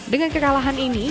dengan kekalahan ini